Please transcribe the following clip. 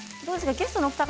ゲストのお二方